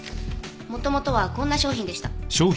元々はこんな商品でした。